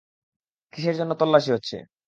কিসের জন্য তল্লাশী হচ্ছে?